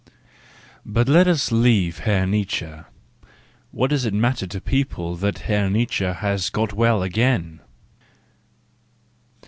2 . —But let us leave Herr Nietzsche ; what does it matter to people that Herr Nietzsche has got well again